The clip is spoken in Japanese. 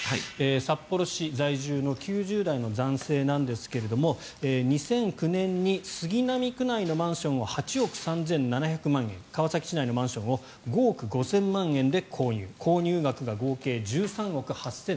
札幌市在住の９０代の男性なんですが２００９年に杉並区内のマンションを８億３７００万円川崎市内のマンションを５億５０００万円で購入購入額が合計１３億８７００万円。